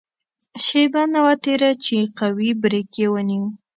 شېبه نه وه تېره چې قوي بریک یې ونیو.